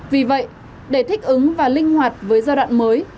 vì vậy để thích ứng và linh hoạt với giai đoạn mới